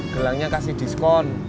gelangnya kasih diskon